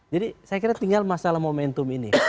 jadi saya kira tinggal masalah momentum ini